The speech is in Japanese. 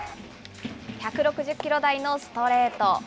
１６０キロ台のストレート。